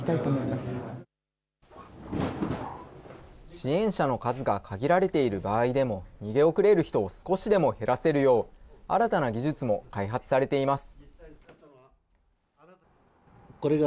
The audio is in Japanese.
支援者の数が限られている場合でも、逃げ遅れる人を少しでも減らせるよう、新たな技術も開発されています。